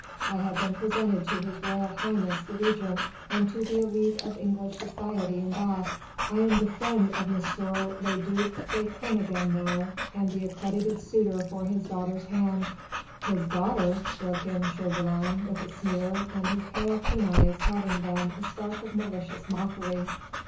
I have been presented to His Royal Highness the Regent, and to the élite of English society in Bath. I am the friend of M. le duc de Kernogan now and the accredited suitor for his daughter's hand." "His daughter!" broke in Chauvelin with a sneer, and his pale, keen eyes had in them a spark of malicious mockery.